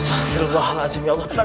astaghfirullahaladzim ya allah